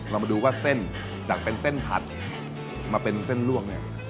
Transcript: เรามาดูว่าเส้นจากเป็นเส้นผัดมาเป็นเส้นลวกเนี่ย